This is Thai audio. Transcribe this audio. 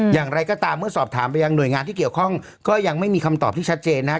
อย่างไรก็ตามเมื่อสอบถามไปยังหน่วยงานที่เกี่ยวข้องก็ยังไม่มีคำตอบที่ชัดเจนนะครับ